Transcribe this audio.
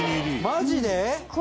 マジで？